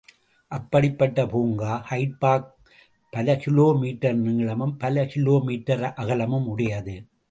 அப்படிப்பட்ட பூங்கா Hyde Park. பல கிலோ மீட்டர் நீளமும் பல கிலோ மீட்டர் அகலமும் உடையது.